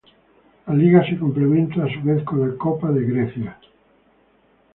La Liga se complementa a su vez con la Copa de Grecia.